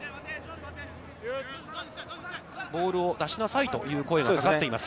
ボールを出しなさいという声がかかっています。